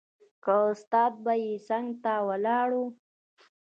که استاد به يې څنګ ته ولاړ و.